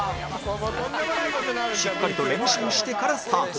しっかりと練習してからスタート